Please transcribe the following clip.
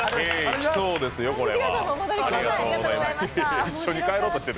来そうですよ、これは。